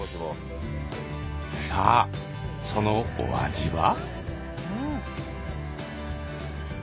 さあそのお味は？